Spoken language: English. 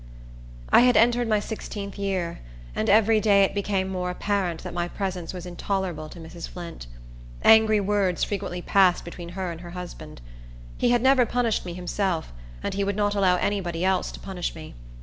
I had entered my sixteenth year, and every day it became more apparent that my presence was intolerable to Mrs. Flint. Angry words frequently passed between her and her husband. He had never punished me himself, and he would not allow any body else to punish me.